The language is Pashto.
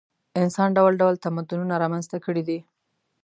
انسان ډول ډول تمدنونه رامنځته کړي دي.